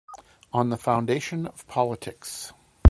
On the Foundation of Politics.